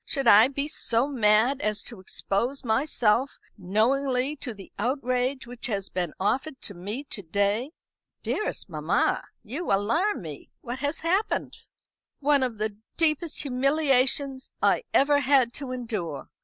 Should I be so mad as to expose myself knowingly to the outrage which has been offered to me to day?" "Dearest mamma, you alarm me. What has happened?" "One of the deepest humiliations I ever had to endure.